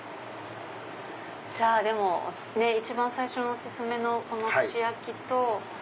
じゃあ一番最初にお薦めのこの串焼きと。